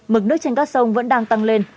mực nước trên các sông vẫn đang tăng lên